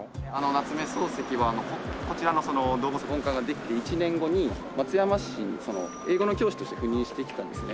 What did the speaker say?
夏目漱石はこちらの道後温泉本館ができて１年後に松山市に英語の教師として赴任してきたんですね。